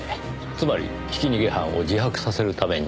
つまりひき逃げ犯を自白させるために？